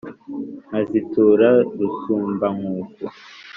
nkazitura rusumbankuku